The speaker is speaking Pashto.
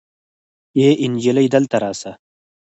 آې انجلۍ دلته راسه